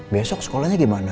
besok sekolahnya gimana